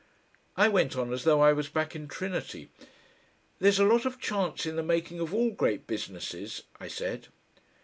I went on as though I was back in Trinity. "There's a lot of chance in the making of all great businesses," I said.